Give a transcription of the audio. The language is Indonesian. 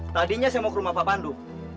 tadinya saya mau ke rumah pak pandu